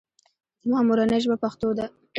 زما مورنۍ ژبه پښتو ده